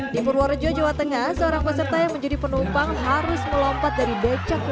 di purworejo jawa tengah seorang peserta yang menjadi penumpang harus melompat dari becak ke